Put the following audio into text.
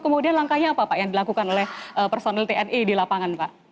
kemudian langkahnya apa pak yang dilakukan oleh personil tni di lapangan pak